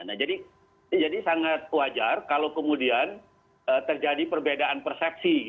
nah jadi sangat wajar kalau kemudian terjadi perbedaan persepsi